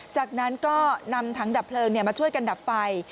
จากนั้นก็นำถังดับเพลิงมาช่วยกันดับไฟ